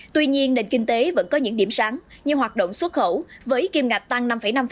tuy nhiên nền kinh tế vẫn có những điểm sáng như hoạt động xuất khẩu với kim ngạch tăng năm năm